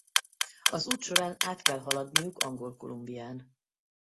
Az út során át kell haladniuk Angol-Columbián.